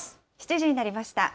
７時になりました。